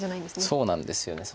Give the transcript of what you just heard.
そうなんですよね